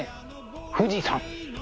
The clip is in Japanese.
富士山。